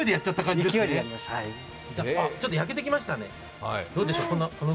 ちょっと焼けてきましたね。